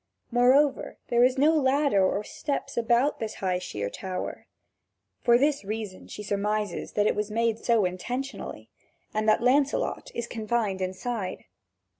Moreover, there was no ladder or steps about this high, sheer tower. For this reason she surmises that it was made so intentionally, and that Lancelot is confined inside.